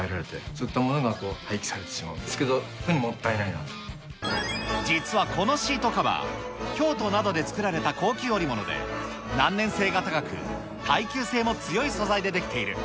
そういったものが廃棄されてしまうんですけど、非常にもったいな実はこのシートカバー、京都などで作られた高級織物で、難燃性が高く、耐久性も強い素材で出来ている。